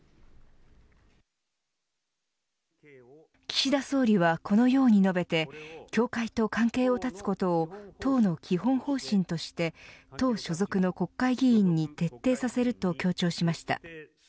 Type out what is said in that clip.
岸田総理は、このように述べて教会と関係を断つことを党の基本方針として党所属の国会議員に徹底させると強調しました。